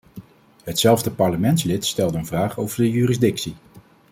Hetzelfde parlementslid stelde een vraag over de jurisdictie.